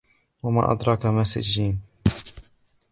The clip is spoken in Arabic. وما أدراك ما سجين